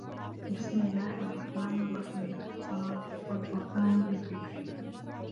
بِسْمِ اللَّهِ الرَّحْمَنِ الرَّحِيمِ ص وَالْقُرْآنِ ذِي الذِّكْرِ